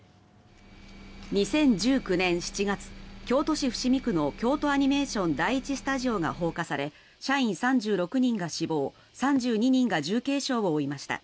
２０１９年７月京都市伏見区の京都アニメーション第１スタジオが放火され社員３６人が死亡３２人が重軽傷を負いました。